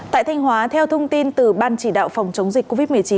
tại thanh hóa theo thông tin từ ban chỉ đạo phòng chống dịch covid một mươi chín